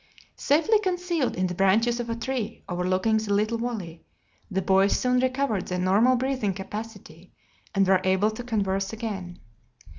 Safely concealed in the branches of a tree overlooking the little valley, the boys soon recovered their normal breathing capacity and were able to converse again.